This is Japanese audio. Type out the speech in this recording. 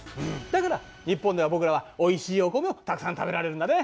だから日本では僕らはおいしいお米をたくさん食べられるんだね。